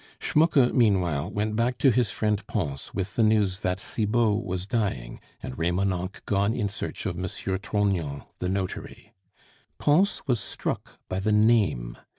Schmucke meanwhile went back to his friend Pons with the news that Cibot was dying, and Remonencq gone in search of M. Trognon, the notary. Pons was struck by the name.